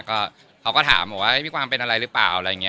ก็เขาก็ถามบอกว่ามีความเป็นอะไรหรือเปล่าอะไรอย่างนี้